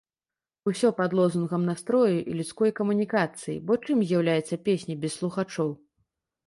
Усё пад лозунгам настрою і людской камунікацыі, бо чым з'яўляецца песня без слухачоў.